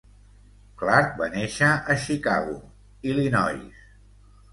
Clark va néixer a Chicago, Illinois.